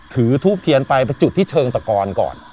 ทูบเทียนไปไปจุดที่เชิงตะกอนก่อน